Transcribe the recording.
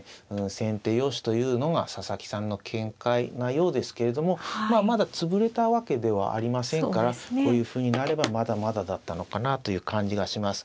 先手よしというのが佐々木さんの見解なようですけれどもまだ潰れたわけではありませんからこういうふうになればまだまだだったのかなという感じがします。